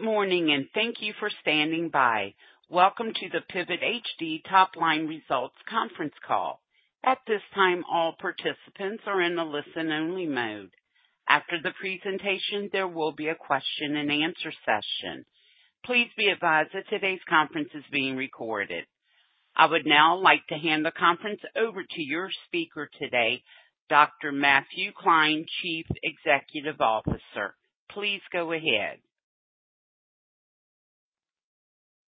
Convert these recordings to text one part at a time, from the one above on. Good morning and thank you for standing by. Welcome to the PIVOT HD Topline Results conference call. At this time, all participants are in the listen-only mode. After the presentation, there will be a question-and-answer session. Please be advised that today's conference is being recorded. I would now like to hand the conference over to your speaker today, Dr. Matthew Klein, Chief Executive Officer. Please go ahead.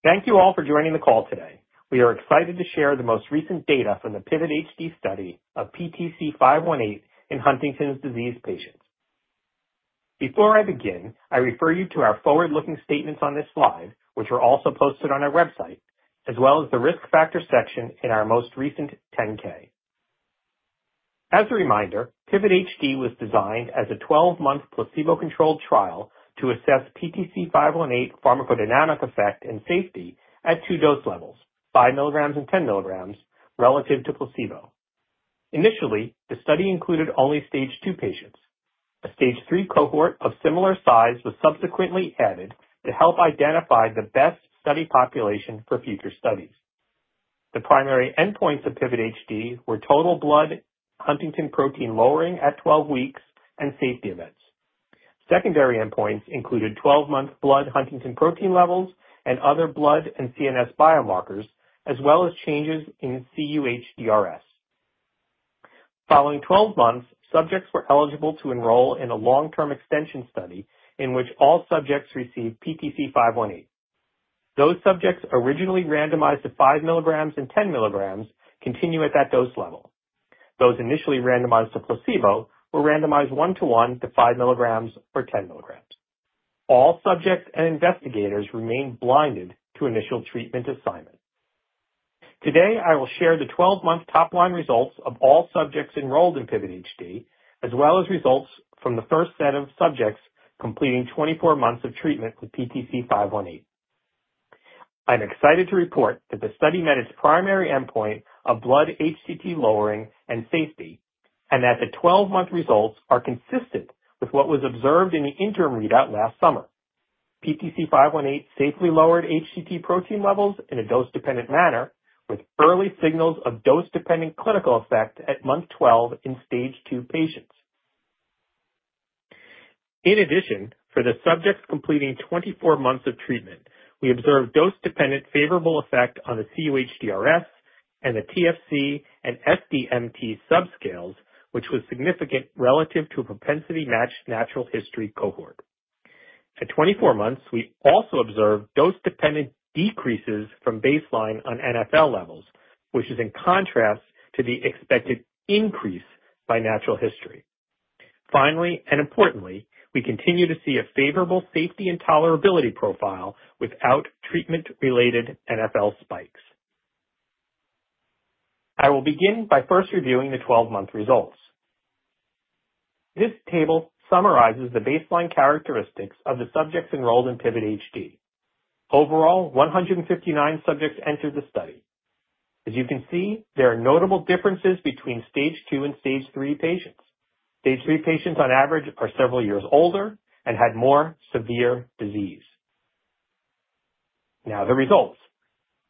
Thank you all for joining the call today. We are excited to share the most recent data from the PIVOT HD study of PTC518 in Huntington's disease patients. Before I begin, I refer you to our forward-looking statements on this slide, which are also posted on our website, as well as the risk factor section in our most recent 10-K. As a reminder, PIVOT HD was designed as a 12-month placebo-controlled trial to assess PTC518 pharmacodynamic effect and safety at two dose levels, 5 mg and 10 mg, relative to placebo. Initially, the study included only stage 2 patients. A stage 3 cohort of similar size was subsequently added to help identify the best study population for future studies. The primary endpoints of PIVOT HD were total blood huntingtin protein lowering at 12 weeks and safety events. Secondary endpoints included 12-month blood huntingtin protein levels and other blood and CNS biomarkers, as well as changes in cUHDRS. Following 12 months, subjects were eligible to enroll in a long-term extension study in which all subjects received PTC518. Those subjects originally randomized to 5 mg and 10 mg continue at that dose level. Those initially randomized to placebo were randomized one-to-one to 5 mg or 10 mg. All subjects and investigators remain blinded to initial treatment assignment. Today, I will share the 12-month topline results of all subjects enrolled in PIVOT HD, as well as results from the first set of subjects completing 24 months of treatment with PTC518. I'm excited to report that the study met its primary endpoint of blood HTT lowering and safety, and that the 12-month results are consistent with what was observed in the interim readout last summer. PTC518 safely lowered HTT protein levels in a dose-dependent manner, with early signals of dose-dependent clinical effect at month 12 in stage 2 patients. In addition, for the subjects completing 24 months of treatment, we observed dose-dependent favorable effect on the cUHDRS and the TFC and SDMT subscales, which was significant relative to a propensity-matched natural history cohort. At 24 months, we also observed dose-dependent decreases from baseline on NfL levels, which is in contrast to the expected increase by natural history. Finally, and importantly, we continue to see a favorable safety and tolerability profile without treatment-related NfL spikes. I will begin by first reviewing the 12-month results. This table summarizes the baseline characteristics of the subjects enrolled in PIVOT HD. Overall, 159 subjects entered the study. As you can see, there are notable differences between stage 2 and stage 3 patients. Stage 3 patients, on average, are several years older and had more severe disease. Now, the results.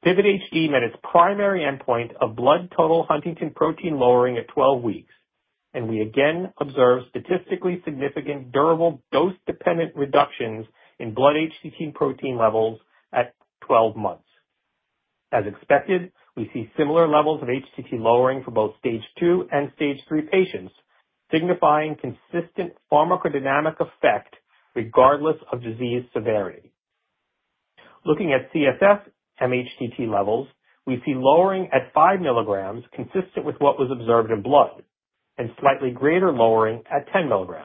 PIVOT HD met its primary endpoint of blood total huntingtin protein lowering at 12 weeks, and we again observed statistically significant durable dose-dependent reductions in blood HTT protein levels at 12 months. As expected, we see similar levels of HTT lowering for both stage 2 and stage 3 patients, signifying consistent pharmacodynamic effect regardless of disease severity. Looking at CSF mHTT levels, we see lowering at 5 mg consistent with what was observed in blood, and slightly greater lowering at 10 mg.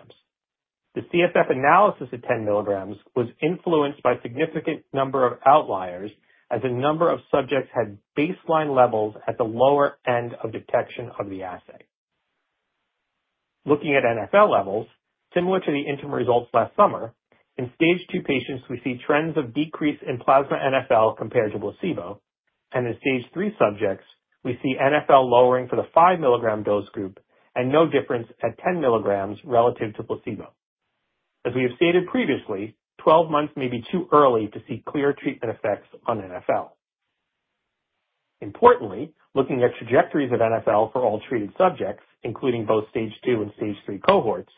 The CSF analysis at 10 mg was influenced by a significant number of outliers, as a number of subjects had baseline levels at the lower end of detection of the assay. Looking at NfL levels, similar to the interim results last summer, in stage 2 patients, we see trends of decrease in plasma NfL compared to placebo, and in stage 3 subjects, we see NfL lowering for the 5 mg dose group and no difference at 10 mg relative to placebo. As we have stated previously, 12 months may be too early to see clear treatment effects on NFL. Importantly, looking at trajectories of NfL for all treated subjects, including both stage 2 and stage 3 cohorts,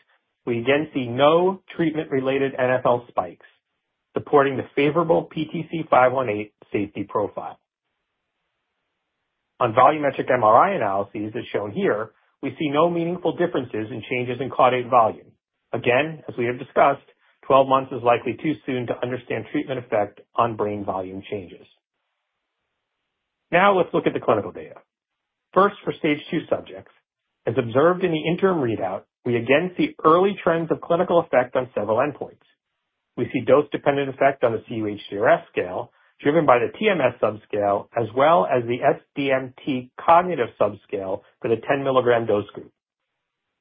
we again see no treatment-related NfL spikes, supporting the favorable PTC518 safety profile. On volumetric MRI analyses, as shown here, we see no meaningful differences in changes in caudate volume. Again, as we have discussed, 12 months is likely too soon to understand treatment effect on brain volume changes. Now, let's look at the clinical data. First, for stage 2 subjects, as observed in the interim readout, we again see early trends of clinical effect on several endpoints. We see dose-dependent effect on the cUHDRS scale, driven by the TMS subscale, as well as the SDMT cognitive subscale for the 10 mg dose group.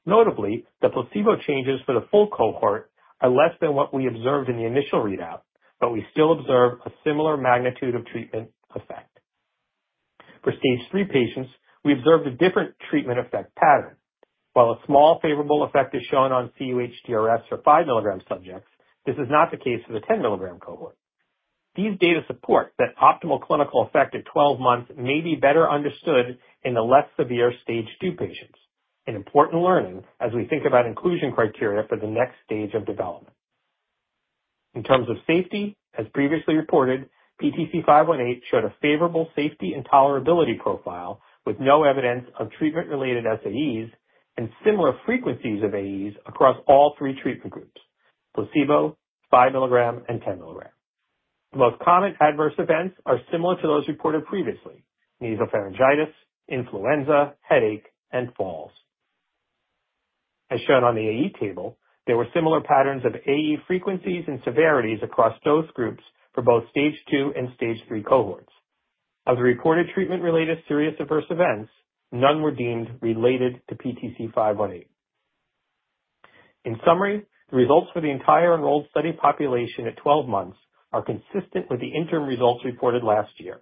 Notably, the placebo changes for the full cohort are less than what we observed in the initial readout, but we still observe a similar magnitude of treatment effect. For stage 3 patients, we observed a different treatment effect pattern. While a small favorable effect is shown on cUHDRS for 5 mg subjects, this is not the case for the 10 mg cohort. These data support that optimal clinical effect at 12 months may be better understood in the less severe stage 2 patients. An important learning as we think about inclusion criteria for the next stage of development. In terms of safety, as previously reported, PTC518 showed a favorable safety and tolerability profile with no evidence of treatment-related SAEs and similar frequencies of AEs across all three treatment groups: placebo, 5 mg, and 10 mg. The most common adverse events are similar to those reported previously: nasopharyngitis, influenza, headache, and falls. As shown on the AE table, there were similar patterns of AE frequencies and severities across dose groups for both stage 2 and stage 3 cohorts. Of the reported treatment-related serious adverse events, none were deemed related to PTC518. In summary, the results for the entire enrolled study population at 12 months are consistent with the interim results reported last year.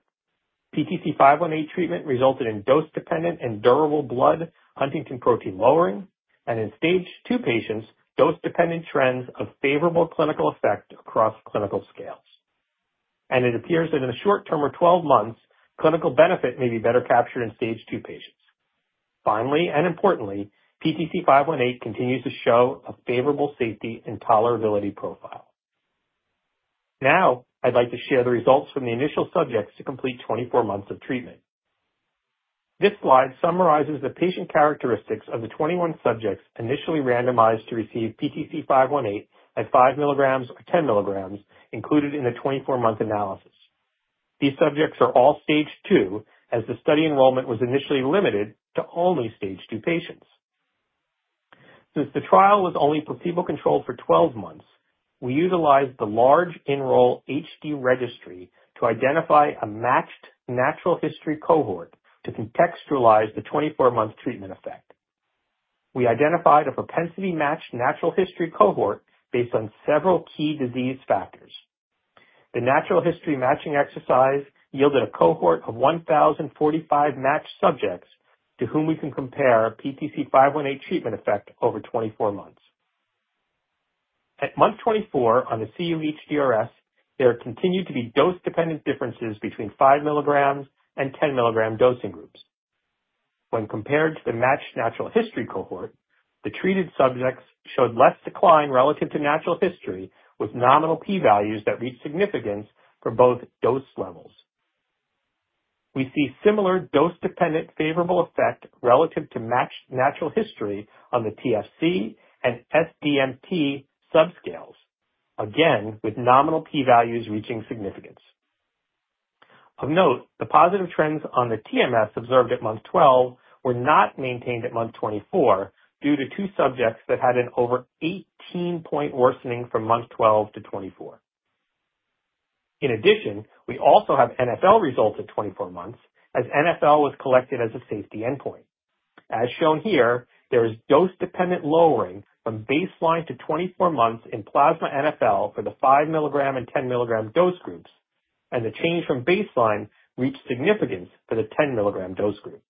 PTC518 treatment resulted in dose-dependent and durable blood Huntingtin protein lowering, and in stage 2 patients, dose-dependent trends of favorable clinical effect across clinical scales. It appears that in the short term of 12 months, clinical benefit may be better captured in stage 2 patients. Finally, and importantly, PTC518 continues to show a favorable safety and tolerability profile. Now, I'd like to share the results from the initial subjects to complete 24 months of treatment. This slide summarizes the patient characteristics of the 21 subjects initially randomized to receive PTC518 at 5 mg or 10 mg included in the 24-month analysis. These subjects are all stage 2, as the study enrollment was initially limited to only stage 2 patients. Since the trial was only placebo-controlled for 12 months, we utilized the large Enroll-HD registry to identify a matched natural history cohort to contextualize the 24-month treatment effect. We identified a propensity-matched natural history cohort based on several key disease factors. The natural history matching exercise yielded a cohort of 1,045 matched subjects to whom we can compare PTC518 treatment effect over 24 months. At month 24 on the cUHDRS, there continued to be dose-dependent differences between 5 mg and 10 mg dosing groups. When compared to the matched natural history cohort, the treated subjects showed less decline relative to natural history, with nominal p-values that reached significance for both dose levels. We see similar dose-dependent favorable effect relative to matched natural history on the TFC and SDMT subscales, again with nominal p-values reaching significance. Of note, the positive trends on the TMS observed at month 12 were not maintained at month 24 due to two subjects that had an over 18-point worsening from month 12 to 24. In addition, we also have NfL results at 24 months, as NfL was collected as a safety endpoint. As shown here, there is dose-dependent lowering from baseline to 24 months in plasma NfL for the 5 mg and 10 mg dose groups, and the change from baseline reached significance for the 10 mg dose group.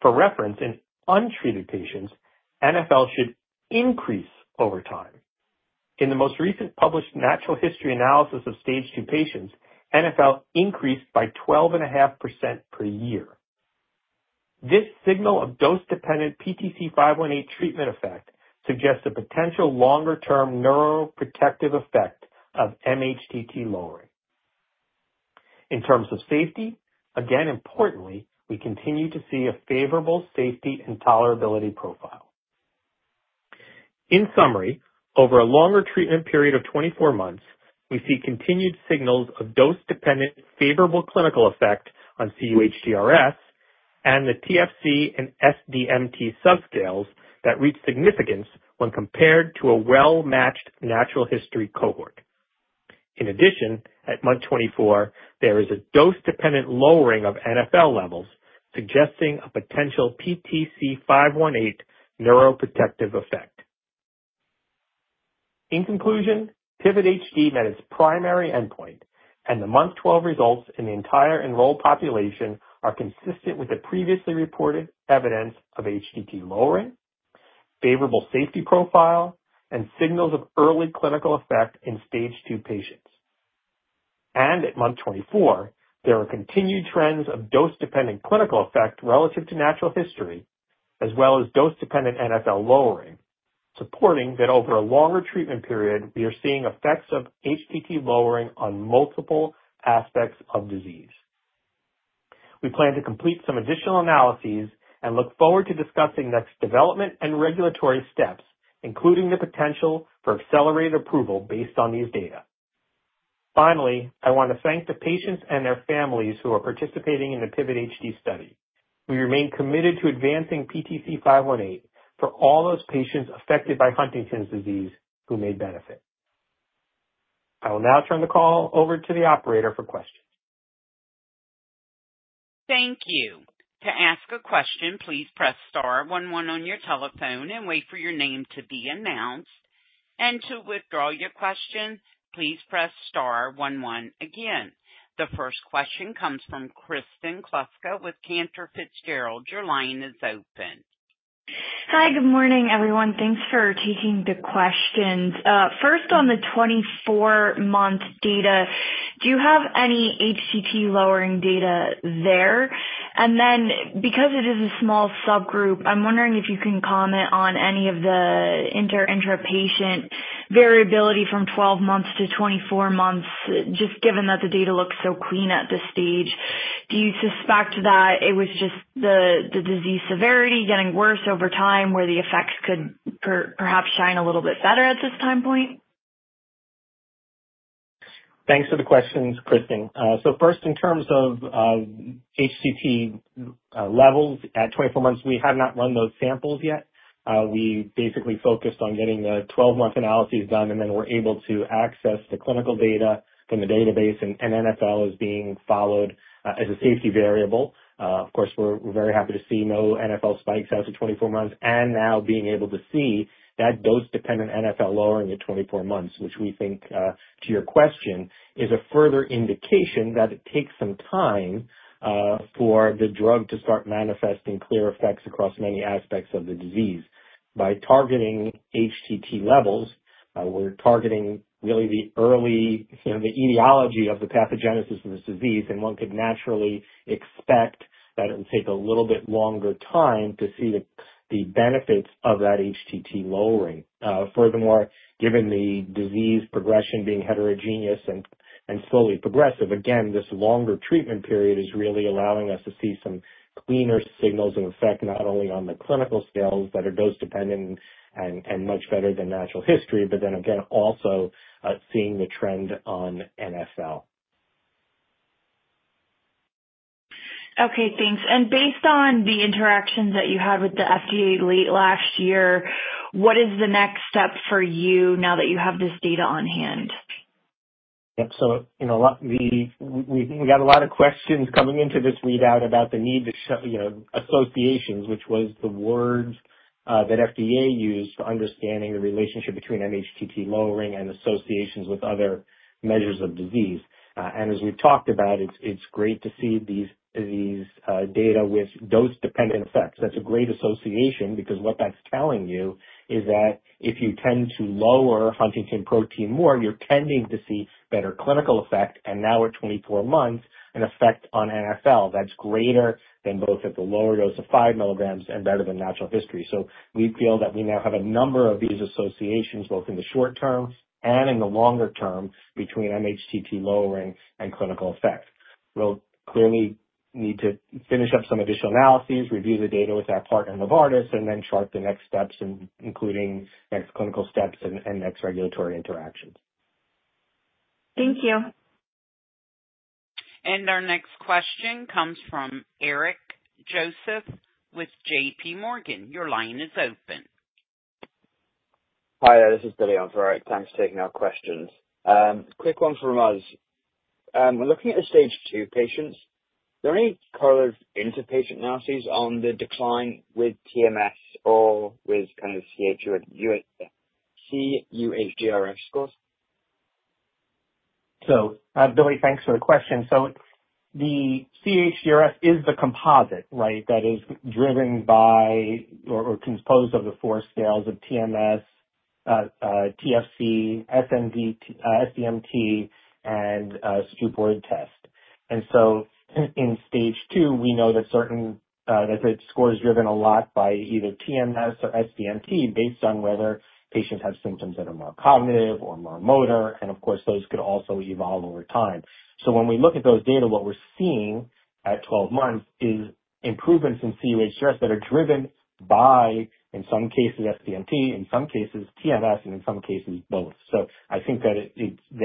For reference, in untreated patients, NfL should increase over time. In the most recent published natural history analysis of stage 2 patients, NfL increased by 12.5% per year. This signal of dose-dependent PTC518 treatment effect suggests a potential longer-term neuroprotective effect of mHTT lowering. In terms of safety, again, importantly, we continue to see a favorable safety and tolerability profile. In summary, over a longer treatment period of 24 months, we see continued signals of dose-dependent favorable clinical effect on cUHDRS and the TFC and SDMT subscales that reach significance when compared to a well-matched natural history cohort. In addition, at month 24, there is a dose-dependent lowering of NfL levels, suggesting a potential PTC518 neuroprotective effect. In conclusion, PIVOT HD met its primary endpoint, and the month 12 results in the entire enrolled population are consistent with the previously reported evidence of HTT lowering, favorable safety profile, and signals of early clinical effect in stage 2 patients. At month 24, there are continued trends of dose-dependent clinical effect relative to natural history, as well as dose-dependent NfL lowering, supporting that over a longer treatment period, we are seeing effects of HTT lowering on multiple aspects of disease. We plan to complete some additional analyses and look forward to discussing next development and regulatory steps, including the potential for accelerated approval based on these data. Finally, I want to thank the patients and their families who are participating in the PIVOT HD study. We remain committed to advancing PTC518 for all those patients affected by Huntington's disease who may benefit. I will now turn the call over to the operator for questions. Thank you. To ask a question, please press star 11 on your telephone and wait for your name to be announced. To withdraw your question, please press star 11 again. The first question comes from Kristen Kluska with Cantor Fitzgerald. Your line is open. Hi, good morning, everyone. Thanks for taking the questions. First, on the 24-month data, do you have any HTT lowering data there? Then, because it is a small subgroup, I'm wondering if you can comment on any of the inter-patient variability from 12 months to 24 months, just given that the data looks so clean at this stage. Do you suspect that it was just the disease severity getting worse over time where the effects could perhaps shine a little bit better at this time point? Thanks for the questions, Kristen. First, in terms of HTT levels at 24 months, we have not run those samples yet. We basically focused on getting the 12-month analyses done, and then were able to access the clinical data from the database, and NfL is being followed as a safety variable. Of course, we are very happy to see no NfL spikes after 24 months, and now being able to see that dose-dependent NfL lowering at 24 months, which we think, to your question, is a further indication that it takes some time for the drug to start manifesting clear effects across many aspects of the disease. By targeting HTT levels, we are targeting really the early, the etiology of the pathogenesis of this disease, and one could naturally expect that it will take a little bit longer time to see the benefits of that HTT lowering. Furthermore, given the disease progression being heterogeneous and slowly progressive, again, this longer treatment period is really allowing us to see some cleaner signals of effect, not only on the clinical scales that are dose-dependent and much better than natural history, but then, again, also seeing the trend on NFL. Okay, thanks. Based on the interactions that you had with the FDA late last year, what is the next step for you now that you have this data on hand? Yep, so we got a lot of questions coming into this readout about the need to show associations, which was the words that FDA used for understanding the relationship between mHTT lowering and associations with other measures of disease. As we've talked about, it's great to see these data with dose-dependent effects. That's a great association because what that's telling you is that if you tend to lower Huntingtin protein more, you're tending to see better clinical effect, and now at 24 months, an effect on NfL that's greater than both at the lower dose of 5 mg and better than natural history. We feel that we now have a number of these associations both in the short term and in the longer term between mHTT lowering and clinical effect. We'll clearly need to finish up some additional analyses, review the data with our partner, Novartis, and then chart the next steps, including next clinical steps and next regulatory interactions. Thank you. Our next question comes from Eric Joseph with JP Morgan. Your line is open. Hi, this is Billy on for Eric. Thanks for taking our questions. Quick one from us. We're looking at the stage 2 patients. Is there any color into patient analyses on the decline with TMS or with kind of cUHDRS scores? Billy, thanks for the question. The cUHDRS is the composite, right, that is driven by or composed of the four scales of TMS, TFC, SDMT, and Stroop test. In stage 2, we know that certain scores are driven a lot by either TMS or SDMT based on whether patients have symptoms that are more cognitive or more motor, and of course, those could also evolve over time. When we look at those data, what we're seeing at 12 months is improvements in cUHDRS that are driven by, in some cases, SDMT, in some cases, TMS, and in some cases, both. I think that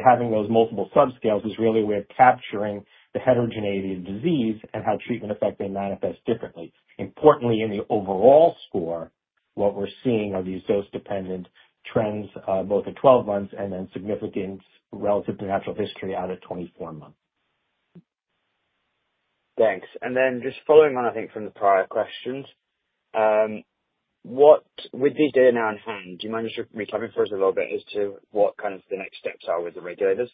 having those multiple subscales is really a way of capturing the heterogeneity of disease and how treatment effect may manifest differently. Importantly, in the overall score, what we're seeing are these dose-dependent trends both at 12 months and then significance relative to natural history out at 24 months. Thanks. Following on, I think, from the prior questions, with these data now in hand, do you mind just recapping for us a little bit as to what kind of the next steps are with the regulators?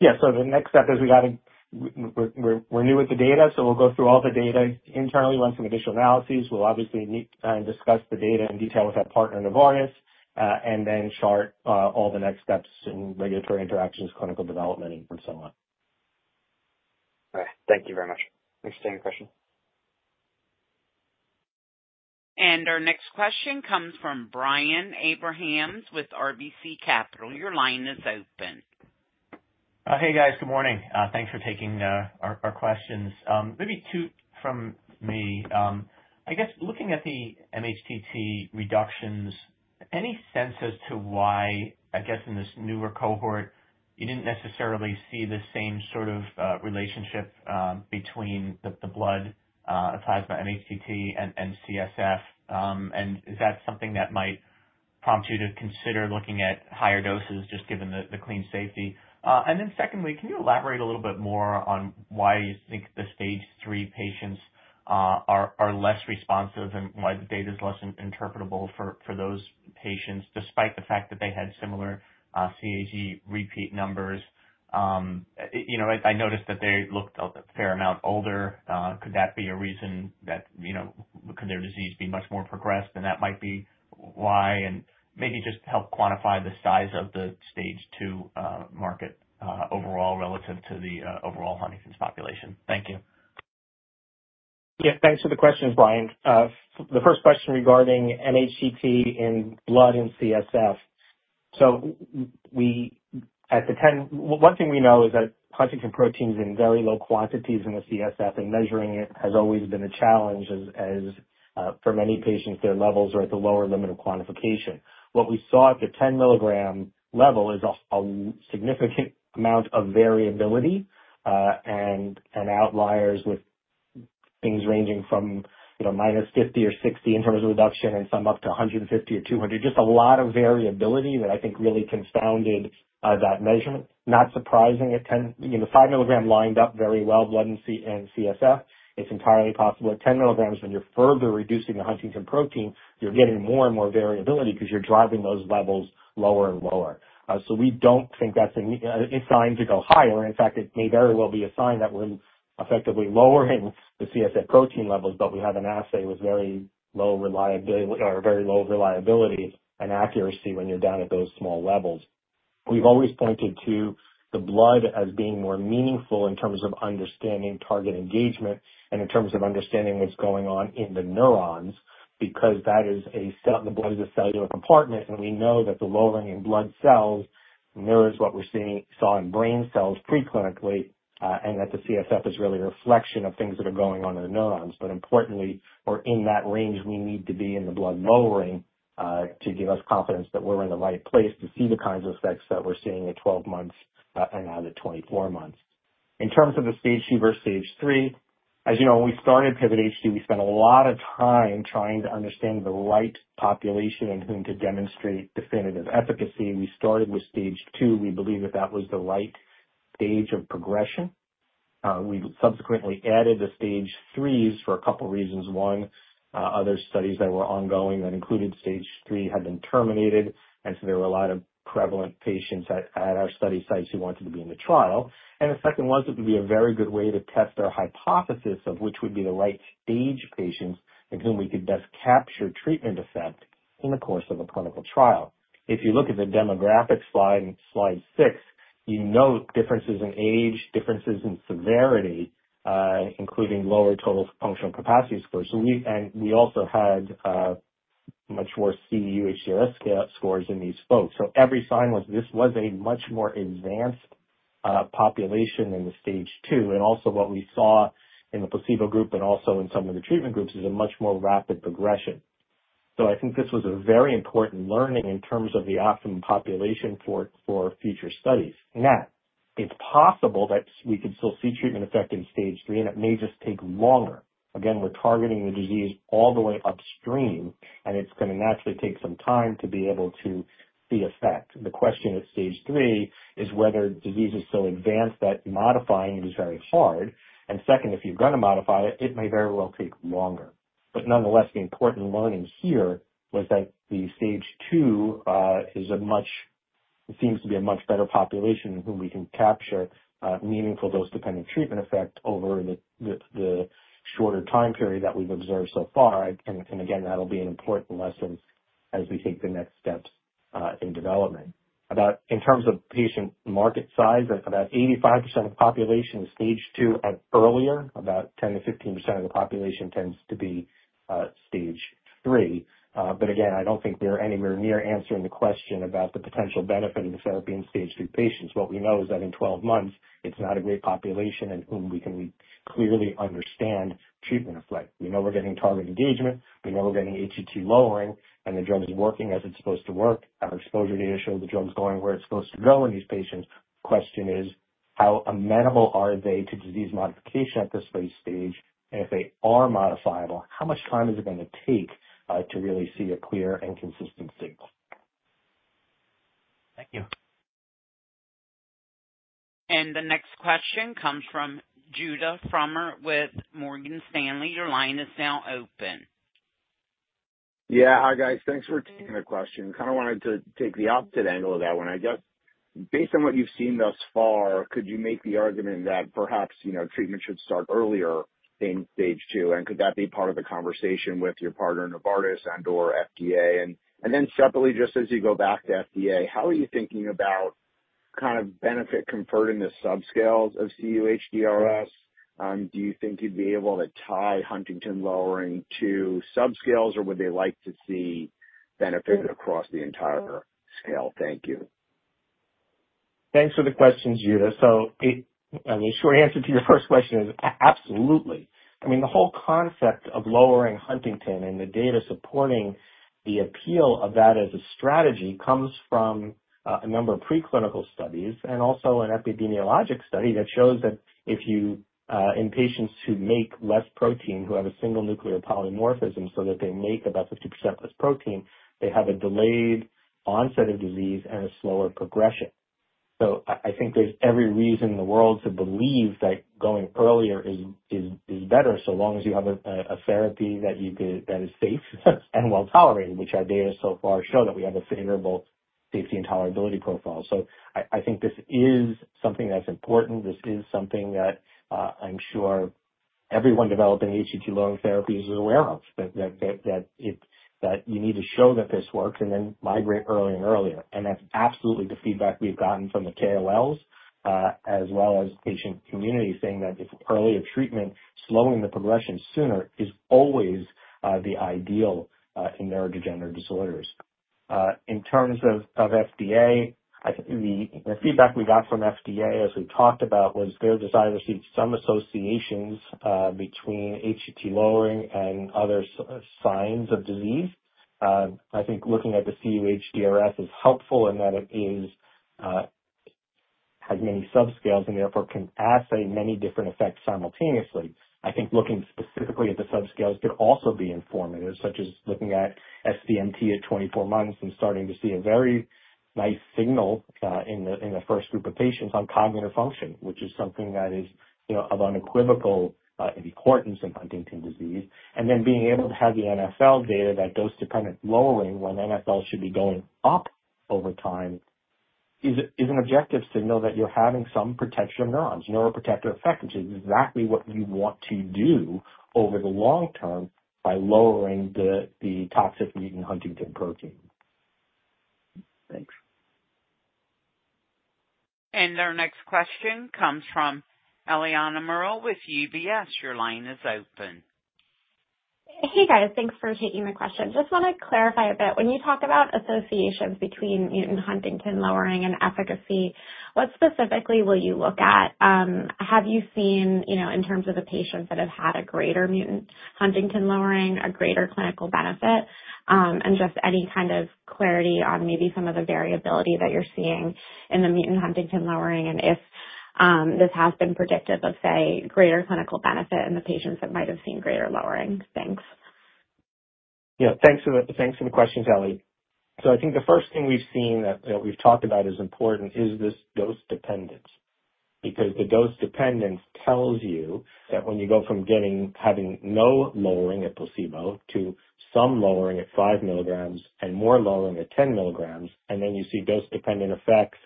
Yeah, so the next step is we got to we're new with the data, so we'll go through all the data internally, run some additional analyses. We'll obviously discuss the data in detail with our partner, Novartis, and then chart all the next steps in regulatory interactions, clinical development, and so on. All right, thank you very much. Thanks for taking the question. Our next question comes from Brian Abrahams with RBC Capital. Your line is open. Hey, guys, good morning. Thanks for taking our questions. Maybe two from me. I guess looking at the mHTT reductions, any sense as to why, I guess, in this newer cohort, you did not necessarily see the same sort of relationship between the blood plasma mHTT and CSF? Is that something that might prompt you to consider looking at higher doses, just given the clean safety? Secondly, can you elaborate a little bit more on why you think the stage 3 patients are less responsive and why the data is less interpretable for those patients, despite the fact that they had similar CAG repeat numbers? I noticed that they looked a fair amount older. Could that be a reason that could their disease be much more progressed? That might be why, and maybe just help quantify the size of the stage 2 market overall relative to the overall Huntington's population. Thank you. Yeah, thanks for the questions, Brian. The first question regarding mHTT in blood and CSF. At the 10, one thing we know is that Huntingtin protein is in very low quantities in the CSF, and measuring it has always been a challenge as for many patients, their levels are at the lower limit of quantification. What we saw at the 10 mg level is a significant amount of variability and outliers with things ranging from minus 50 or 60 in terms of reduction and some up to 150 or 200. Just a lot of variability that I think really confounded that measurement. Not surprising, at 5 mg lined up very well blood and CSF, it's entirely possible at 10 mg when you're further reducing the Huntingtin protein, you're getting more and more variability because you're driving those levels lower and lower. We do not think that's a sign to go higher. In fact, it may very well be a sign that we're effectively lowering the CSF protein levels, but we have an assay with very low reliability and accuracy when you're down at those small levels. We've always pointed to the blood as being more meaningful in terms of understanding target engagement and in terms of understanding what's going on in the neurons because that is, blood is a cellular compartment, and we know that the lowering in blood cells mirrors what we saw in brain cells preclinically and that the CSF is really a reflection of things that are going on in the neurons. Importantly, we're in that range we need to be in the blood lowering to give us confidence that we're in the right place to see the kinds of effects that we're seeing at 12 months and now at 24 months. In terms of the stage 2 versus stage 3, as you know, when we started PIVOT HD, we spent a lot of time trying to understand the right population and whom to demonstrate definitive efficacy. We started with stage 2. We believe that that was the right stage of progression. We subsequently added the stage 3s for a couple of reasons. One, other studies that were ongoing that included stage 3 had been terminated, and so there were a lot of prevalent patients at our study sites who wanted to be in the trial. The second was it would be a very good way to test our hypothesis of which would be the right age patients and whom we could best capture treatment effect in the course of a clinical trial. If you look at the demographic slide, slide 6, you note differences in age, differences in severity, including lower total functional capacity scores. We also had much worse cUHDRS scores in these folks. Every sign was this was a much more advanced population than the stage 2. Also, what we saw in the placebo group and also in some of the treatment groups is a much more rapid progression. I think this was a very important learning in terms of the optimum population for future studies. Now, it's possible that we could still see treatment effect in stage 3, and it may just take longer. Again, we're targeting the disease all the way upstream, and it's going to naturally take some time to be able to see effect. The question at stage 3 is whether disease is so advanced that modifying it is very hard. Second, if you're going to modify it, it may very well take longer. Nonetheless, the important learning here was that the stage 2 seems to be a much better population in whom we can capture meaningful dose-dependent treatment effect over the shorter time period that we've observed so far. Again, that'll be an important lesson as we take the next steps in development. In terms of patient market size, about 85% of the population is stage 2 and earlier. About 10-15% of the population tends to be stage 3. I don't think we're anywhere near answering the question about the potential benefit of the therapy in stage 2 patients. What we know is that in 12 months, it's not a great population in whom we can clearly understand treatment effect. We know we're getting target engagement. We know we're getting HTT lowering, and the drug is working as it's supposed to work. Our exposure data shows the drug's going where it's supposed to go in these patients. The question is, how amenable are they to disease modification at this late stage? If they are modifiable, how much time is it going to take to really see a clear and consistent signal? Thank you. The next question comes from Judah Frommer with Morgan Stanley. Your line is now open. Yeah, hi guys. Thanks for taking the question. Kind of wanted to take the opposite angle of that one. I guess based on what you've seen thus far, could you make the argument that perhaps treatment should start earlier in stage 2? Could that be part of the conversation with your partner, Novartis, and/or FDA? Separately, just as you go back to FDA, how are you thinking about kind of benefit converting the subscales of cUHDRS? Do you think you'd be able to tie Huntingtin lowering to subscales, or would they like to see benefit across the entire scale? Thank you. Thanks for the questions, Judah. The short answer to your first question is absolutely. I mean, the whole concept of lowering Huntington and the data supporting the appeal of that as a strategy comes from a number of preclinical studies and also an epidemiologic study that shows that in patients who make less protein, who have a single nuclear polymorphism so that they make about 50% less protein, they have a delayed onset of disease and a slower progression. I think there is every reason in the world to believe that going earlier is better so long as you have a therapy that is safe and well tolerated, which our data so far show that we have a favorable safety and tolerability profile. I think this is something that's important. This is something that I'm sure everyone developing HTT lowering therapies is aware of, that you need to show that this works and then migrate early and earlier. That's absolutely the feedback we've gotten from the KOLs as well as patient community saying that if earlier treatment, slowing the progression sooner is always the ideal in neurodegenerative disorders. In terms of FDA, the feedback we got from FDA as we talked about was their desire to see some associations between HTT lowering and other signs of disease. I think looking at the cUHDRS is helpful in that it has many subscales and therefore can assay many different effects simultaneously. I think looking specifically at the subscales could also be informative, such as looking at SDMT at 24 months and starting to see a very nice signal in the first group of patients on cognitive function, which is something that is of unequivocal importance in Huntington disease. Being able to have the NfL data, that dose-dependent lowering when NfL should be going up over time is an objective to know that you're having some protection of neurons, neuroprotective effect, which is exactly what you want to do over the long term by lowering the toxicity in Huntingtin protein. Thanks. Our next question comes from Eliana Merle with UBS. Your line is open. Hey guys, thanks for taking the question. Just want to clarify a bit. When you talk about associations between mutant huntingtin lowering and efficacy, what specifically will you look at? Have you seen, in terms of the patients that have had a greater mutant huntingtin lowering, a greater clinical benefit? Just any kind of clarity on maybe some of the variability that you're seeing in the mutant huntingtin lowering and if this has been predictive of, say, greater clinical benefit in the patients that might have seen greater lowering? Thanks. Yeah, thanks for the questions, Ellie. I think the first thing we've seen that we've talked about is important is this dose dependence. Because the dose dependence tells you that when you go from having no lowering at placebo to some lowering at 5 mg and more lowering at 10 mg, and then you see dose-dependent effects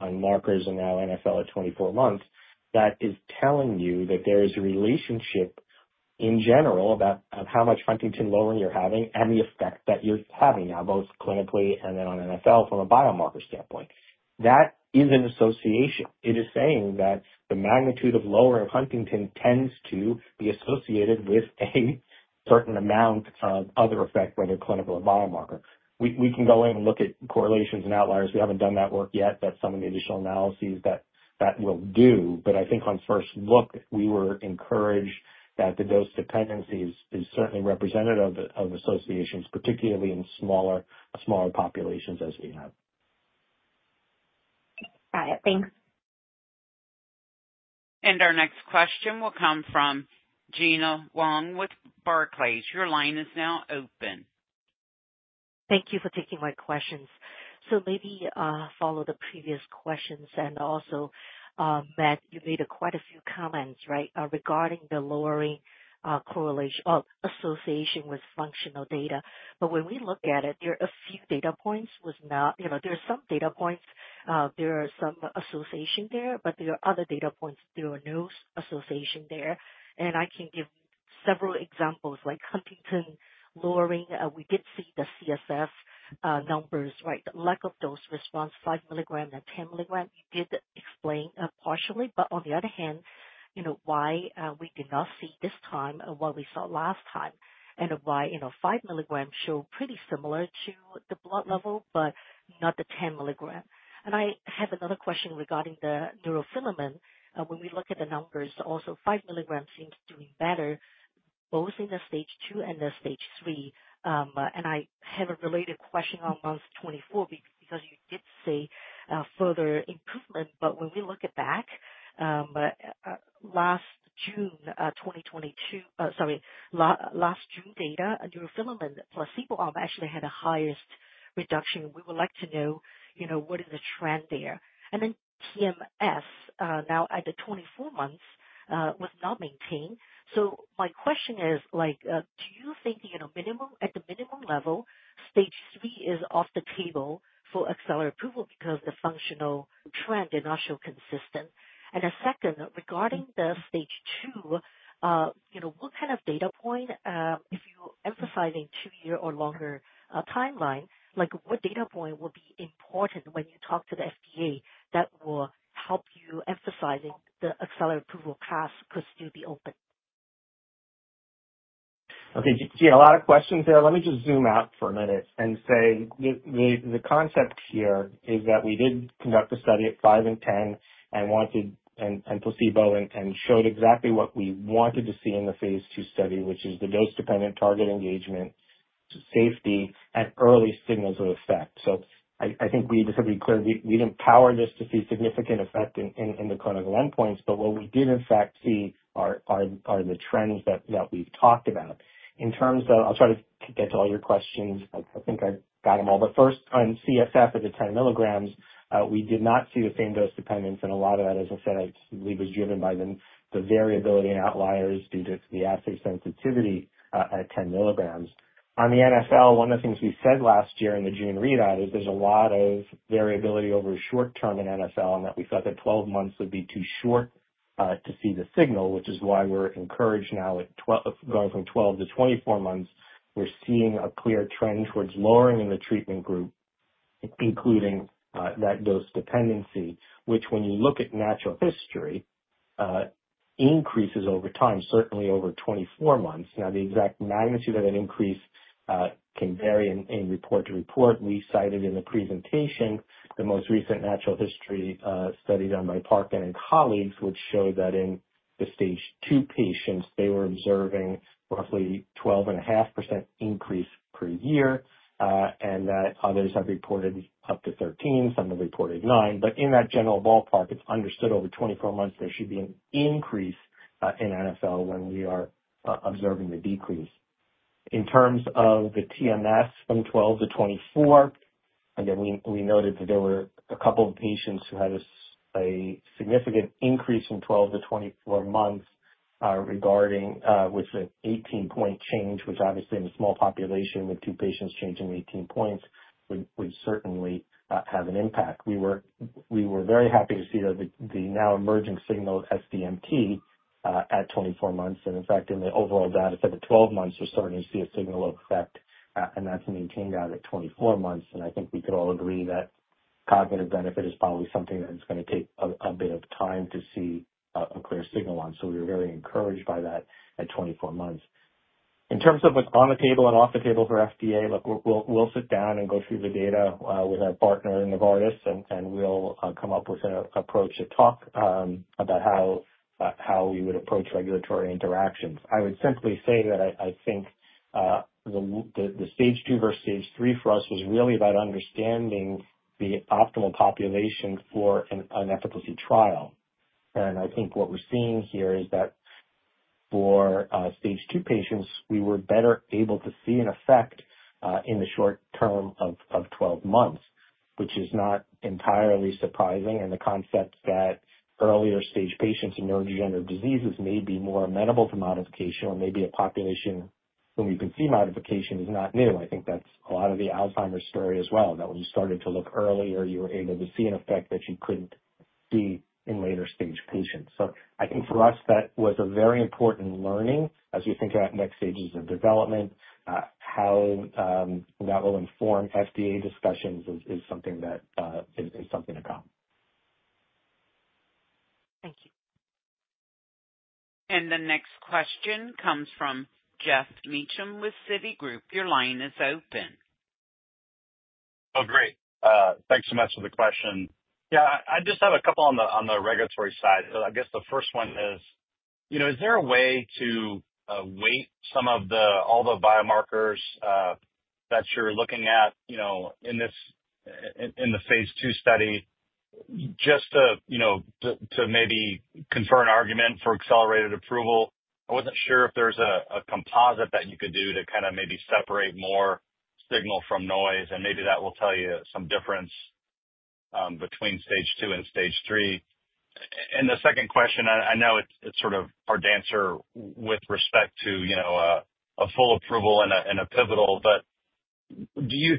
on markers and now NfL at 24 months, that is telling you that there is a relationship in general about how much Huntingtin lowering you're having and the effect that you're having now, both clinically and then on NfL from a biomarker standpoint. That is an association. It is saying that the magnitude of lowering of Huntington tends to be associated with a certain amount of other effect, whether clinical or biomarker. We can go in and look at correlations and outliers. We haven't done that work yet. That's some of the additional analyses that we'll do. I think on first look, we were encouraged that the dose dependency is certainly representative of associations, particularly in smaller populations as we have. Got it. Thanks. Our next question will come from Gina Wang with Barclays. Your line is now open. Thank you for taking my questions. Maybe follow the previous questions. Also, Matt, you made quite a few comments, right, regarding the lowering association with functional data. When we look at it, there are a few data points. There are some data points. There are some associations there, but there are other data points. There are no associations there. I can give several examples like Huntingtin lowering. We did see the CSF numbers, right? The lack of dose response, 5 mg and 10 mg, we did explain partially. On the other hand, why did we not see this time what we saw last time and why 5 mg showed pretty similar to the blood level, but not the 10 mg. I have another question regarding the neurofilament. When we look at the numbers, also 5 mg seems to be better, both in the stage 2 and the stage 3. I have a related question on month 24 because you did say further improvement. When we look back, last June 2022, sorry, last June data, neurofilament placebo arm actually had a highest reduction. We would like to know what is the trend there. TMS, now at the 24 months, was not maintained. My question is, do you think at the minimum level, stage 3 is off the table for accelerated approval because the functional trend did not show consistent? The second, regarding the stage 2, what kind of data point, if you're emphasizing two-year or longer timeline, what data point will be important when you talk to the FDA that will help you emphasizing the accelerated approval path could still be open? Okay. Do you have a lot of questions there? Let me just zoom out for a minute and say the concept here is that we did conduct a study at 5 and 10 and placebo and showed exactly what we wanted to see in the phase II study, which is the dose-dependent target engagement, safety, and early signals of effect. I think we just have to be clear. We didn't power this to see significant effect in the clinical endpoints, but what we did, in fact, see are the trends that we've talked about. In terms of I'll try to get to all your questions. I think I've got them all. First, on CSF at the 10 mg, we did not see the same dose dependence. A lot of that, as I said, I believe was driven by the variability and outliers due to the assay sensitivity at 10 mg. On the NfL, one of the things we said last year in the June readout is there's a lot of variability over short term in NfL and that we thought that 12 months would be too short to see the signal, which is why we're encouraged now at going from 12 to 24 months. We're seeing a clear trend towards lowering in the treatment group, including that dose dependency, which when you look at natural history, increases over time, certainly over 24 months. Now, the exact magnitude of that increase can vary in report to report. We cited in the presentation the most recent natural history study done by Parkin and colleagues, which showed that in the stage 2 patients, they were observing roughly 12.5% increase per year, and that others have reported up to 13%. Some have reported 9%. In that general ballpark, it is understood over 24 months there should be an increase in NfL when we are observing the decrease. In terms of the TMS from 12 to 24, again, we noted that there were a couple of patients who had a significant increase from 12 to 24 months regarding with an 18-point change, which obviously in a small population with two patients changing 18 points would certainly have an impact. We were very happy to see the now emerging signal of SDMT at 24 months. In fact, in the overall data set at 12 months, we're starting to see a signal of effect, and that's maintained out at 24 months. I think we could all agree that cognitive benefit is probably something that it's going to take a bit of time to see a clear signal on. We were very encouraged by that at 24 months. In terms of what's on the table and off the table for FDA, we'll sit down and go through the data with our partner in Novartis, and we'll come up with an approach to talk about how we would approach regulatory interactions. I would simply say that I think the stage 2 versus stage 3 for us was really about understanding the optimal population for an efficacy trial. I think what we're seeing here is that for stage 2 patients, we were better able to see an effect in the short term of 12 months, which is not entirely surprising. The concept that earlier stage patients in neurodegenerative diseases may be more amenable to modification or maybe a population when we can see modification is not new. I think that's a lot of the Alzheimer's story as well, that when you started to look earlier, you were able to see an effect that you couldn't see in later stage patients. I think for us, that was a very important learning as we think about next stages of development. How that will inform FDA discussions is something that is something to come. Thank you. The next question comes from Geoff Meacham with Citigroup. Your line is open. Oh, great. Thanks so much for the question. Yeah, I just have a couple on the regulatory side. I guess the first one is, is there a way to weight some of all the biomarkers that you're looking at in the phase II study just to maybe confer an argument for accelerated approval? I wasn't sure if there's a composite that you could do to kind of maybe separate more signal from noise, and maybe that will tell you some difference between stage 2 and stage 3. The second question, I know it's sort of hard to answer with respect to a full approval and a pivotal, but would you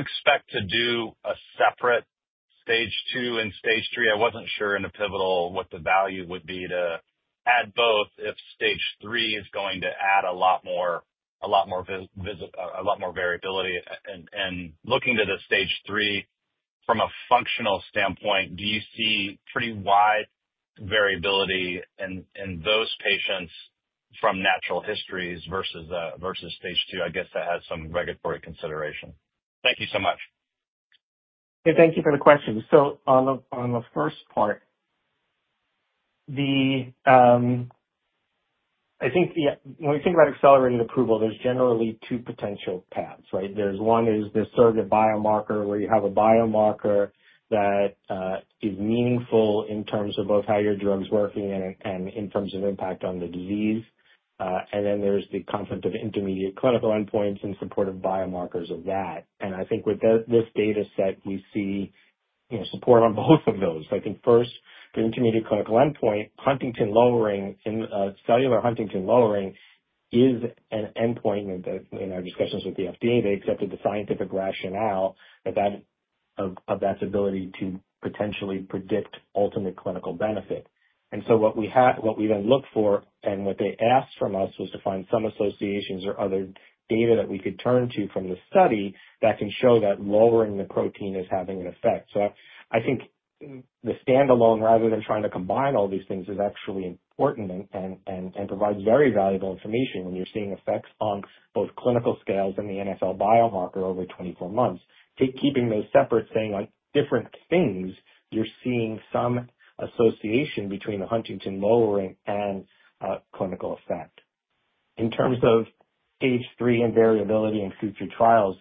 expect to do a separate stage 2 and stage 3? I wasn't sure in a pivotal what the value would be to add both if stage 3 is going to add a lot more variability. Looking to the stage 3 from a functional standpoint, do you see pretty wide variability in those patients from natural histories versus stage 2? I guess that has some regulatory consideration. Thank you so much. Thank you for the question. On the first part, I think when we think about accelerated approval, there's generally two potential paths, right? One is the surrogate biomarker where you have a biomarker that is meaningful in terms of both how your drug's working and in terms of impact on the disease. Then there's the concept of intermediate clinical endpoints and supportive biomarkers of that. I think with this data set, we see support on both of those. I think first, the intermediate clinical endpoint, cellular Huntingtin lowering is an endpoint in our discussions with the FDA. They accepted the scientific rationale of that’s ability to potentially predict ultimate clinical benefit. What we then looked for and what they asked from us was to find some associations or other data that we could turn to from the study that can show that lowering the protein is having an effect. I think the standalone, rather than trying to combine all these things, is actually important and provides very valuable information when you're seeing effects on both clinical scales and the NfL biomarker over 24 months. Keeping those separate, saying on different things, you're seeing some association between the Huntingtin lowering and clinical effect. In terms of stage 3 and variability in future trials,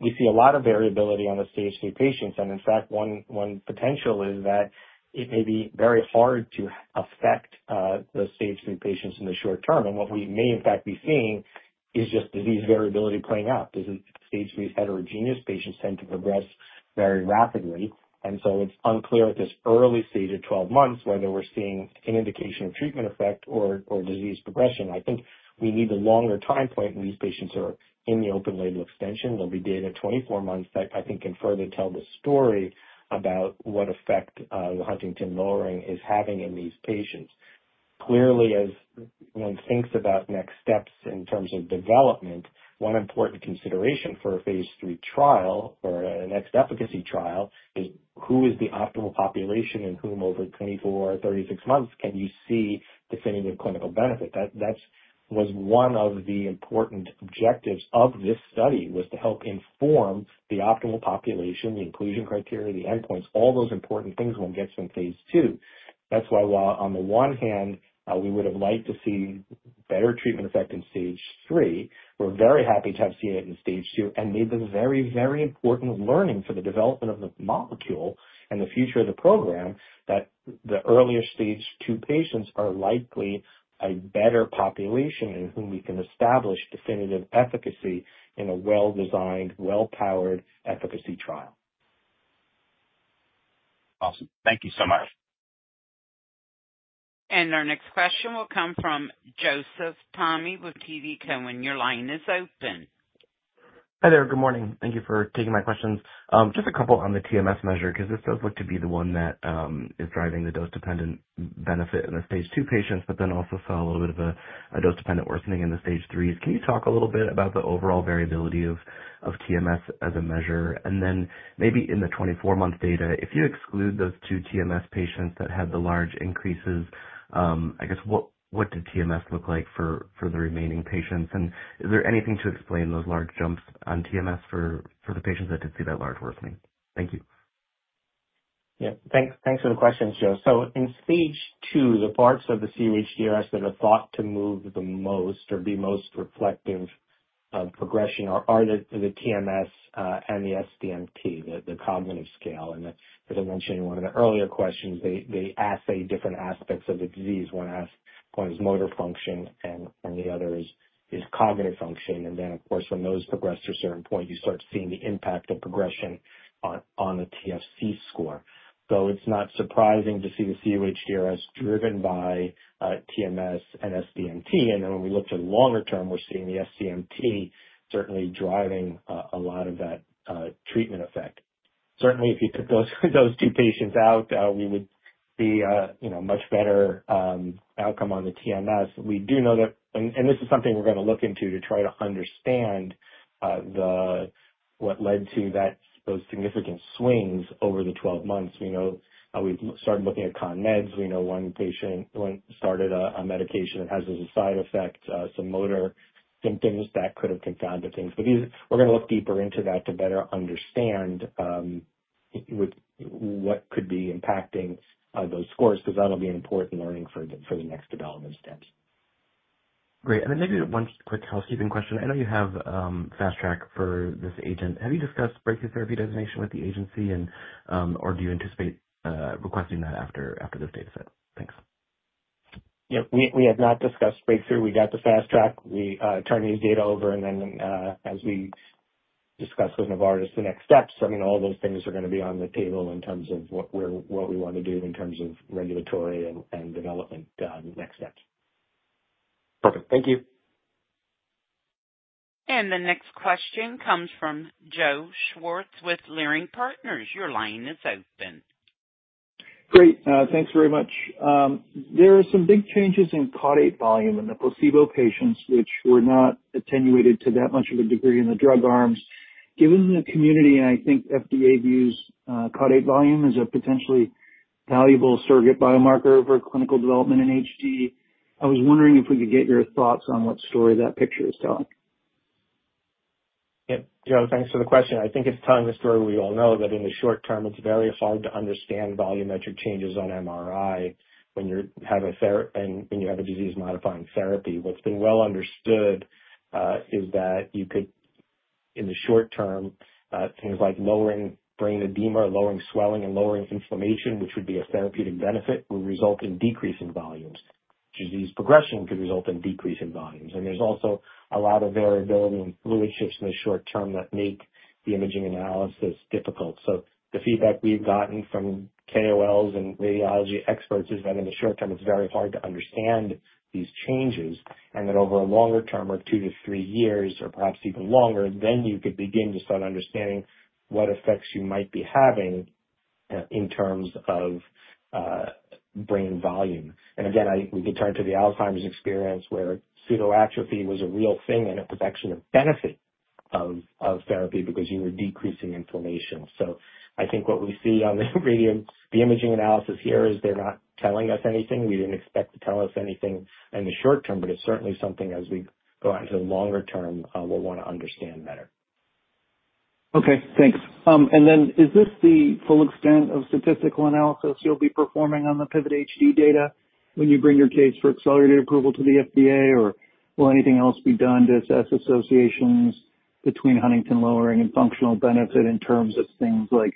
we see a lot of variability on the stage 3 patients. In fact, one potential is that it may be very hard to affect the stage 3 patients in the short term. What we may, in fact, be seeing is just disease variability playing out. Stage 3 heterogeneous patients tend to progress very rapidly. It is unclear at this early stage of 12 months whether we are seeing an indication of treatment effect or disease progression. I think we need a longer time point when these patients are in the open label extension. There will be data at 24 months that I think can further tell the story about what effect the Huntingtin lowering is having in these patients. Clearly, as one thinks about next steps in terms of development, one important consideration for a phase III trial or a next efficacy trial is who is the optimal population and whom over 24 or 36 months can you see definitive clinical benefit? That was one of the important objectives of this study, was to help inform the optimal population, the inclusion criteria, the endpoints, all those important things when we get to phase II. That is why while on the one hand, we would have liked to see better treatment effect in stage 3, we are very happy to have seen it in stage 2. Maybe the very, very important learning for the development of the molecule and the future of the program is that the earlier stage 2 patients are likely a better population in whom we can establish definitive efficacy in a well-designed, well-powered efficacy trial. Awesome. Thank you so much. Our next question will come from Joseph Thome with TD Cowen. Your line is open. Hi there. Good morning. Thank you for taking my questions. Just a couple on the TMS measure because this does look to be the one that is driving the dose-dependent benefit in the phase II patients, but also saw a little bit of a dose-dependent worsening in the stage 3s. Can you talk a little bit about the overall variability of TMS as a measure? Maybe in the 24-month data, if you exclude those two TMS patients that had the large increases, I guess, what did TMS look like for the remaining patients? Is there anything to explain those large jumps on TMS for the patients that did see that large worsening? Thank you. Yeah. Thanks for the questions, Joe. In stage 2, the parts of the cUHDRS that are thought to move the most or be most reflective of progression are the TMS and the SDMT, the cognitive scale. As I mentioned in one of the earlier questions, they assay different aspects of the disease. One point is motor function, and the other is cognitive function. Of course, when those progress to a certain point, you start seeing the impact of progression on the TFC score. It is not surprising to see the cUHDRS driven by TMS and SDMT. When we look to the longer term, we are seeing the SDMT certainly driving a lot of that treatment effect. Certainly, if you took those two patients out, we would see a much better outcome on the TMS. We do know that, and this is something we're going to look into to try to understand what led to those significant swings over the 12 months. We know we've started looking at ConMeds. We know one patient started a medication and has a side effect, some motor symptoms that could have confounded things. We are going to look deeper into that to better understand what could be impacting those scores because that'll be an important learning for the next development steps. Great. Maybe one quick housekeeping question. I know you have fast track for this agent. Have you discussed breakthrough therapy designation with the agency, or do you anticipate requesting that after this data set? Thanks. Yeah. We have not discussed breakthrough. We got the fast track. We turn these data over, and then as we discuss with Novartis the next steps, I mean, all those things are going to be on the table in terms of what we want to do in terms of regulatory and development next steps. Perfect. Thank you. The next question comes from Joe Schwartz with Leerink Partners. Your line is open. Great. Thanks very much. There are some big changes in caudate volume in the placebo patients, which were not attenuated to that much of a degree in the drug arms. Given the community, and I think FDA views caudate volume as a potentially valuable surrogate biomarker for clinical development in HD, I was wondering if we could get your thoughts on what story that picture is telling. Yeah. Joe, thanks for the question. I think it's telling the story we all know that in the short term, it's very hard to understand volumetric changes on MRI when you have a disease-modifying therapy. What's been well understood is that you could, in the short term, things like lowering brain edema, lowering swelling, and lowering inflammation, which would be a therapeutic benefit, would result in decreasing volumes. Disease progression could result in decreasing volumes. There is also a lot of variability in fluid shifts in the short term that make the imaging analysis difficult. The feedback we've gotten from KOLs and radiology experts is that in the short term, it's very hard to understand these changes. Over a longer term, or two to three years, or perhaps even longer, you could begin to start understanding what effects you might be having in terms of brain volume. Again, we could turn to the Alzheimer's experience where pseudoatrophy was a real thing, and it was actually a benefit of therapy because you were decreasing inflammation. I think what we see on the imaging analysis here is they're not telling us anything. We did not expect it to tell us anything in the short term, but it is certainly something as we go out into the longer term, we will want to understand better. Okay. Thanks. Is this the full extent of statistical analysis you'll be performing on the PIVOT HD data when you bring your case for accelerated approval to the FDA, or will anything else be done to assess associations between Huntingtin lowering and functional benefit in terms of things like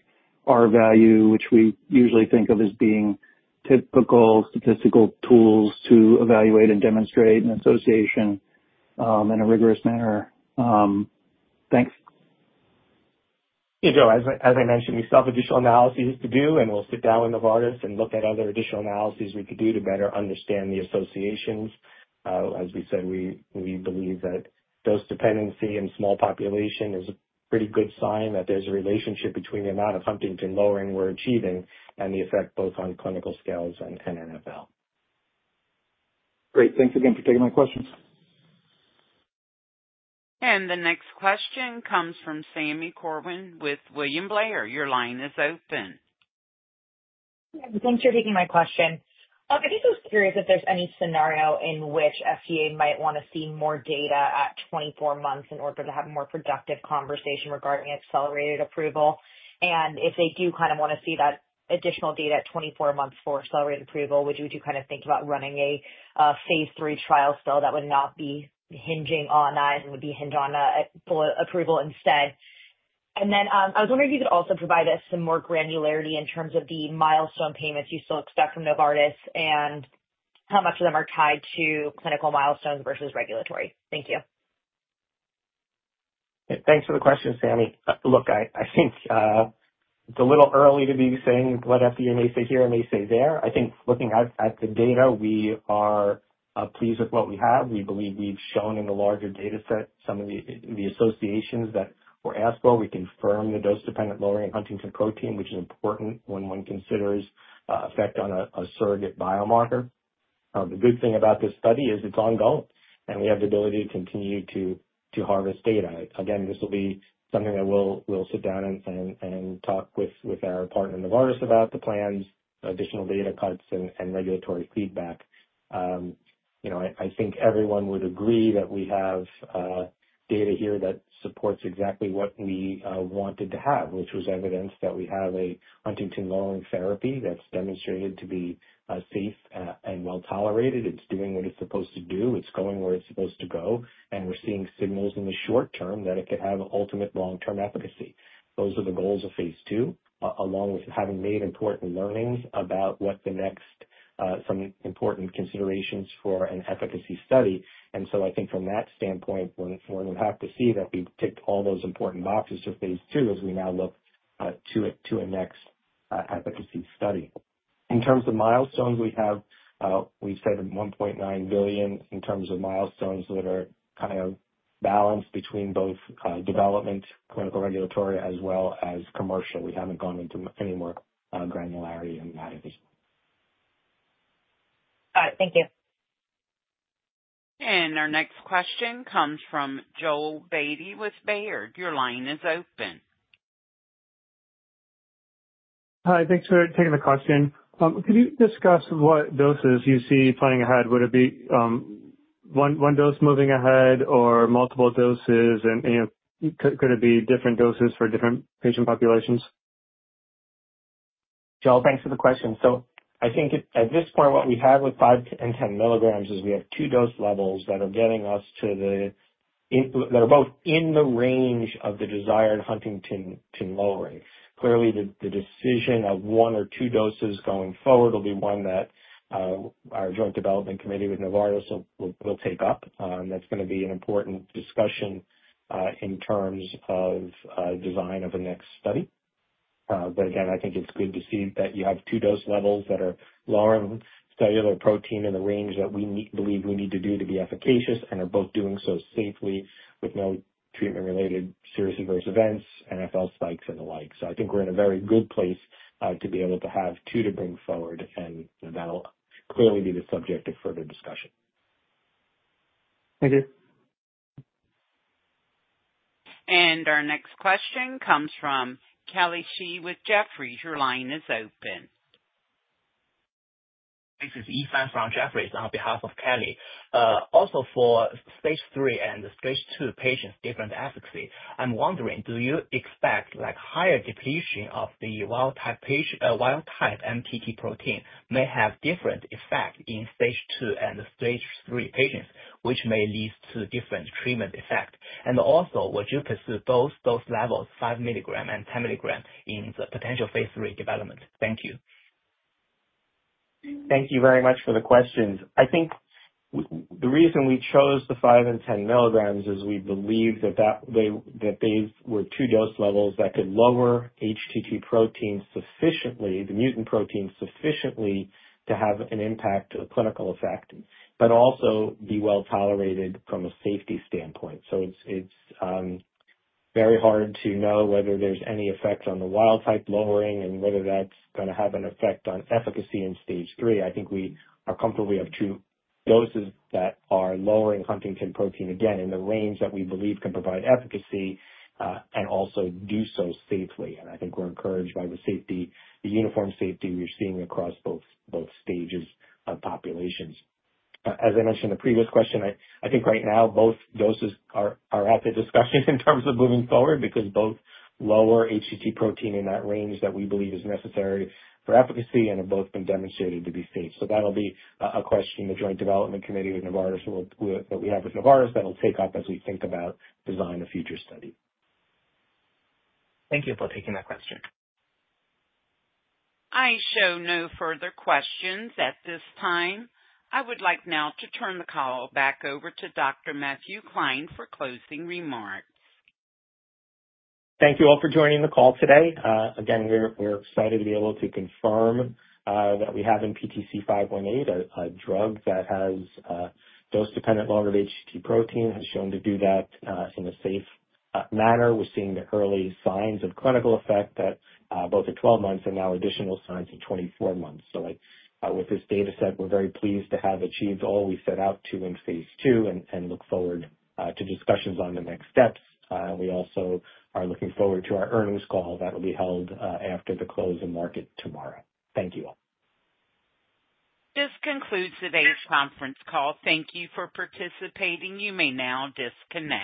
R-value, which we usually think of as being typical statistical tools to evaluate and demonstrate an association in a rigorous manner? Thanks. Yeah, Joe, as I mentioned, we still have additional analyses to do, and we'll sit down with Novartis and look at other additional analyses we could do to better understand the associations. As we said, we believe that dose dependency in small population is a pretty good sign that there's a relationship between the amount of Huntingtin lowering we're achieving and the effect both on clinical scales and NFL. Great. Thanks again for taking my questions. The next question comes from Sami Corwin with William Blair. Your line is open. Thanks for taking my question. I think I was curious if there's any scenario in which FDA might want to see more data at 24 months in order to have a more productive conversation regarding accelerated approval. If they do kind of want to see that additional data at 24 months for accelerated approval, would you kind of think about running a phase III trial still that would not be hinging on that and would be hinged on full approval instead? I was wondering if you could also provide us some more granularity in terms of the milestone payments you still expect from Novartis and how much of them are tied to clinical milestones versus regulatory. Thank you. Thanks for the question, Sami. Look, I think it's a little early to be saying what FDA may say here or may say there. I think looking at the data, we are pleased with what we have. We believe we've shown in the larger data set some of the associations that were asked for. We confirm the dose-dependent lowering of Huntingtin protein, which is important when one considers effect on a surrogate biomarker. The good thing about this study is it's ongoing, and we have the ability to continue to harvest data. Again, this will be something that we'll sit down and talk with our partner Novartis about the plans, additional data cuts, and regulatory feedback. I think everyone would agree that we have data here that supports exactly what we wanted to have, which was evidence that we have a Huntingtin lowering therapy that's demonstrated to be safe and well-tolerated. It's doing what it's supposed to do. It's going where it's supposed to go. We're seeing signals in the short term that it could have ultimate long-term efficacy. Those are the goals of phase II, along with having made important learnings about what the next some important considerations for an efficacy study. I think from that standpoint, we'll have to see that we've ticked all those important boxes for phase II as we now look to a next efficacy study. In terms of milestones, we said $1.9 billion in terms of milestones that are kind of balanced between both development, clinical regulatory, as well as commercial. We haven't gone into any more granularity on that. Got it. Thank you. Our next question comes from Joel Beatty with Baird. Your line is open. Hi. Thanks for taking the call, team. Could you discuss what doses you see planning ahead? Would it be one dose moving ahead or multiple doses? Could it be different doses for different patient populations? Joel, thanks for the question. I think at this point, what we have with 5 and 10 mg is we have two dose levels that are getting us to the that are both in the range of the desired Huntingtin lowering. Clearly, the decision of one or two doses going forward will be one that our joint development committee with Novartis will take up. That is going to be an important discussion in terms of design of a next study. Again, I think it's good to see that you have two dose levels that are lowering cellular protein in the range that we believe we need to do to be efficacious and are both doing so safely with no treatment-related serious adverse events, NfL spikes, and the like. I think we're in a very good place to be able to have two to bring forward, and that'll clearly be the subject of further discussion. Thank you. Our next question comes from Kelly Shi with Jefferies. Your line is open. This is Ethan from Jefferies on behalf of Kelly. Also, for stage 3 and stage 2 patients, different efficacy. I'm wondering, do you expect higher depletion of the wild-type HTT protein may have different effect in stage 2 and stage 3 patients, which may lead to different treatment effect? Also, would you pursue both dose levels, 5 mg and 10 mg, in the potential phase III development? Thank you. Thank you very much for the questions. I think the reason we chose the 5 and 10 mg is we believe that they were two dose levels that could lower HTT protein sufficiently, the mutant protein sufficiently to have an impact or clinical effect, but also be well-tolerated from a safety standpoint. It is very hard to know whether there is any effect on the wild-type lowering and whether that is going to have an effect on efficacy in stage 3. I think we are comfortable we have two doses that are lowering Huntingtin protein, again, in the range that we believe can provide efficacy and also do so safely. I think we are encouraged by the uniform safety we are seeing across both stages of populations. As I mentioned in the previous question, I think right now both doses are at the discussion in terms of moving forward because both lower HTT protein in that range that we believe is necessary for efficacy and have both been demonstrated to be safe. That will be a question the joint development committee with Novartis that we have with Novartis will take up as we think about design of future study. Thank you for taking that question. I show no further questions at this time. I would like now to turn the call back over to Dr. Matthew Klein for closing remarks. Thank you all for joining the call today. Again, we're excited to be able to confirm that we have in PTC518 a drug that has dose-dependent lowering of HTT protein, has shown to do that in a safe manner. We're seeing the early signs of clinical effect at both at 12 months and now additional signs at 24 months. With this data set, we're very pleased to have achieved all we set out to in phase II and look forward to discussions on the next steps. We also are looking forward to our earnings call that will be held after the close of market tomorrow. Thank you all. This concludes today's conference call. Thank you for participating. You may now disconnect.